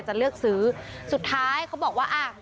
จะเลือกซื้อสุดท้ายเขาบอกว่าอ่ะ